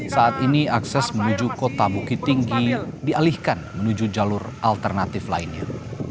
saat ini akses menuju kota bukit tinggi dialihkan menuju jalur alternatif lainnya